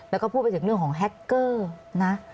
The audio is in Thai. แล้วก็พูดไปถึงเรื่องของแฮคเกอร์นะ